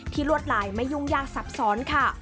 ลวดลายไม่ยุ่งยากซับซ้อนค่ะ